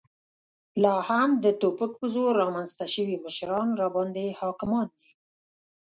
لا هم د توپک په زور رامنځته شوي مشران راباندې حاکمان دي.